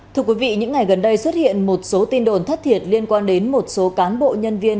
thưa quý vị những ngày gần đây xuất hiện một số tin đồn thất thiệt liên quan đến một số cán bộ nhân viên